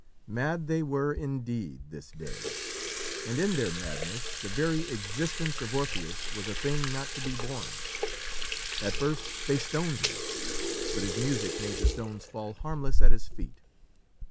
Mad they were indeed this day, and in their madness the very existence of Orpheus was a thing not to be borne. At first they stoned him, but his music made the stones fall harmless at his feet.